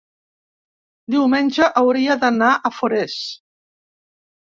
diumenge hauria d'anar a Forès.